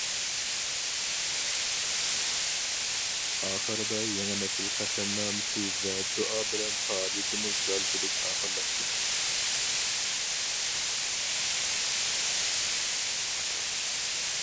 ئاخىرىدا يېڭى نەسىل قەسەمنامىسى ۋە دۇئا بىلەن پائالىيىتىمىز غەلىبىلىك ئاخىرلاشتى.